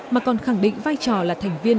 mà còn khẳng định vai trò là thành viên